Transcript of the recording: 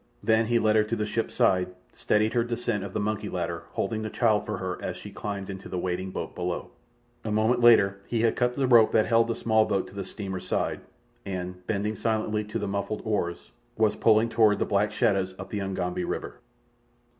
Then he led her to the ship's side, steadied her descent of the monkey ladder, holding the child for her as she climbed to the waiting boat below. A moment later he had cut the rope that held the small boat to the steamer's side, and, bending silently to the muffled oars, was pulling toward the black shadows up the Ugambi River.